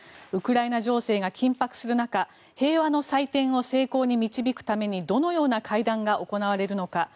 ウクライナ情勢が緊迫する中平和の祭典を成功に導くためにどのような会談が行われるのか。